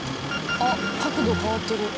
あっ角度変わってる。